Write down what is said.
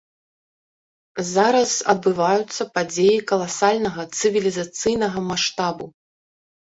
Зараз адбываюцца падзеі каласальнага, цывілізацыйнага маштабу.